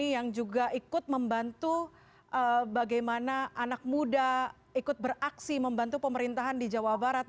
yang juga ikut membantu bagaimana anak muda ikut beraksi membantu pemerintahan di jawa barat